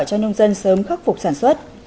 cho nông dân sớm khắc phục sản xuất